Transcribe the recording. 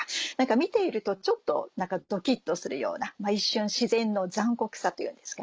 見ているとちょっと何かドキっとするような自然の残酷さというんですかね。